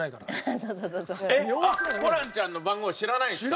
えっホランちゃんの番号知らないんですか？